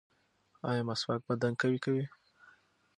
ایا مسواک بدن قوي کوي؟